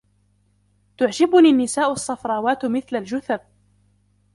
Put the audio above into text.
تعجبني النساء الصفروات مثل الجثث.